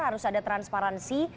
harus ada transparansi